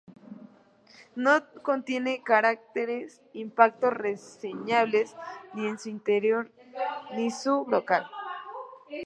No contiene cráteres impactos reseñables ni en su interior ni en su brocal.